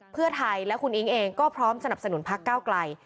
เพื่อไทยและคุณอิ๊งเองก็พร้อมสนับสนุนพักเก้าไกล